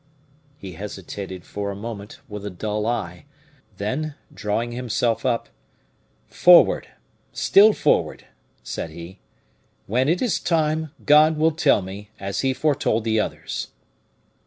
He hesitated for a moment, with a dull eye; then, drawing himself up, "Forward! still forward!" said he. "When it is time, God will tell me, as he foretold the others."